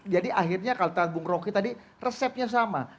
jadi akhirnya kalau tanggung roki tadi resepnya sama